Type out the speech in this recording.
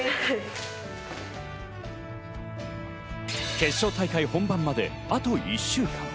決勝大会本番まであと１週間。